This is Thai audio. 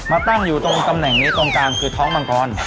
ตั้งอยู่ตรงตำแหน่งนี้ตรงกลางคือท้องมังกร